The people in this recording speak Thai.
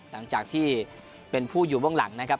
หลังจากที่เป็นผู้อยู่เบื้องหลังนะครับ